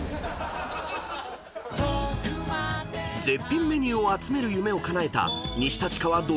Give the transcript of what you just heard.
［絶品メニューを集める夢をかなえた］